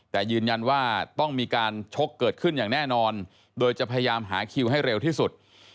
แต่ยืนยันว่าต้องมีการชกเกิดขึ้นอย่างแน่นอนโดยจะพยายามหาคิวให้เร็วที่สุด